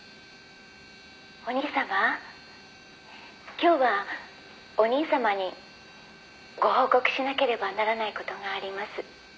今日はお兄様にご報告しなければならない事があります」